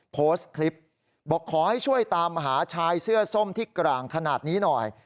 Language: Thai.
โพสต์คลิปบอกขอให้ช่วยตามหาชายเสื้อส้มที่กลางขนาดนี้หน่อย